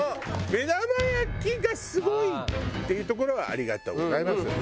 「目玉焼きがすごい」っていうところはありがとうございます。